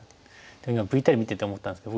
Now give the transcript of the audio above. ＶＴＲ見てて思ったんですけど